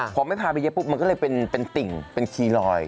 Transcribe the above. พอไม่พาไปเย็บมันก็เลยเป็นติ่งเป็นคีย์ลอย